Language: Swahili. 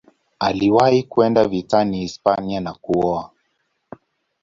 Aliwahi kwenda vitani Hispania na kuoa.